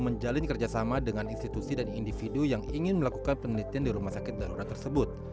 menjalin kerjasama dengan institusi dan individu yang ingin melakukan penelitian di rumah sakit darurat tersebut